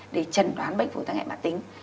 để trần đoán bệnh phối tăng hẹn bản tính